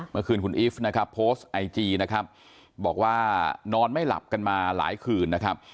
เมื่อคืนคุณอีฟนะครับโพสต์ไอจีนะครับบอกว่านอนไม่หลับกันมาหลายคืนนะครับ